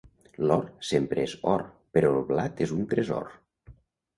L'or sempre és or, però el blat és un tresor.